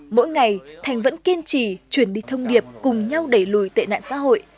mỗi ngày thành vẫn kiên trì truyền đi thông điệp cùng nhau đẩy lùi tệ nạn xã hội